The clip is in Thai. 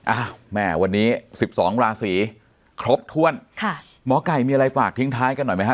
อ้าวแม่วันนี้สิบสองราศีครบถ้วนค่ะหมอไก่มีอะไรฝากทิ้งท้ายกันหน่อยไหมฮะ